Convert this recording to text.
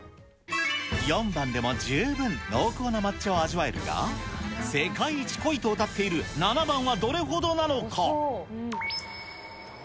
４番でも十分濃厚な抹茶を味わえるが、世界一濃いとうたっている７番はどれほどなのか。